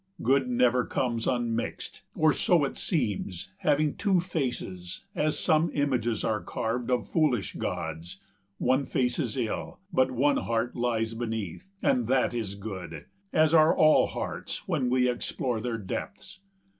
Good never comes unmixed, or so it seems, Having two faces, as some images Are carved, of foolish gods; one face is ill; But one heart lies beneath, and that is good, 355 As are all hearts, when we explore their depths.